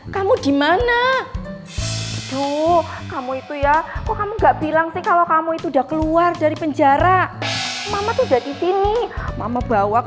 saya izin angkat dulu ya pak